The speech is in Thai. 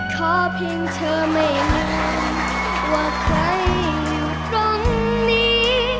ขอเพียงเธอไม่มาว่าใครอยู่ตรงนี้